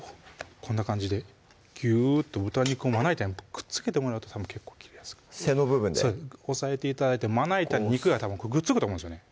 こんな感じでギューッと豚肉をまな板にくっつけてもらうとたぶん結構切りやすく背の部分で押さえて頂いてまな板に肉がくっつくと思うんですよね